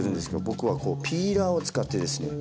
僕はこうピーラーを使ってですね